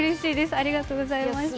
ありがとうございます。